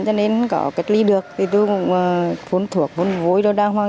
cho nên có cách ly được thì tôi cũng vốn thuộc vốn vối đau hoang